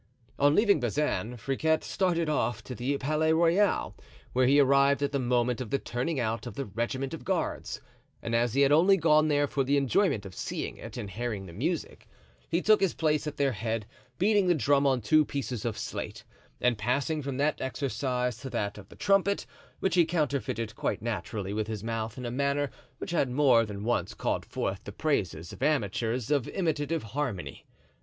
On leaving Bazin, Friquet started off to the Palais Royal, where he arrived at the moment of the turning out of the regiment of guards; and as he had only gone there for the enjoyment of seeing it and hearing the music, he took his place at their head, beating the drum on two pieces of slate and passing from that exercise to that of the trumpet, which he counterfeited quite naturally with his mouth in a manner which had more than once called forth the praises of amateurs of imitative harmony.